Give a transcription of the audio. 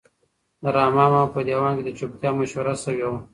د رحمان بابا په دیوان کې د چوپتیا مشوره شوې وه.